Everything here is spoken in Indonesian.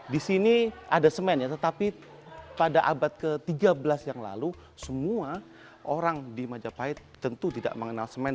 di sini ada semen ya tetapi pada abad ke tiga belas yang lalu semua orang di majapahit tentu tidak mengenal semen